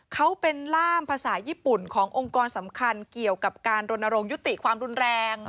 เขาเป็นล่ามภาษาญี่ปุ่นขององค์กรสำคัญเกี่ยวกับการรณรงค์ยุติความรุนแรง